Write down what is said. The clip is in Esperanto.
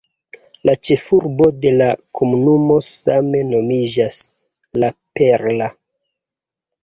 La ĉefurbo de la komunumo same nomiĝas "La Perla".